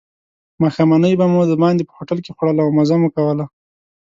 ماښامنۍ به مو دباندې په هوټل کې خوړله او مزه مو کوله.